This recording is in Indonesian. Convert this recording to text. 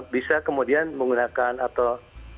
bisa kemudian menggunakan atau